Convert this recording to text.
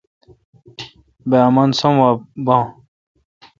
بہ امن سوم وا بھا۔